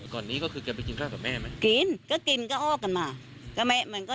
ก่อนนี้ก็คือแกไปกินข้าวกับแม่ไหมกินก็กินก็อ้อกันมาก็ไม่มันก็